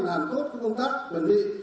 làm tốt công tác đơn vị